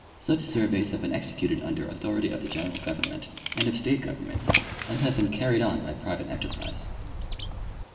Such surveys have been executed under au thority of the general government and of state governments and have been carried on by private enterprise.